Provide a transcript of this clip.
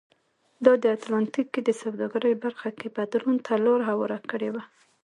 دا د اتلانتیک کې د سوداګرۍ برخه کې بدلون ته لار هواره کړې وه.